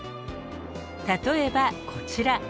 例えばこちら。